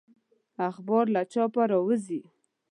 اخبار له چاپه راووزي.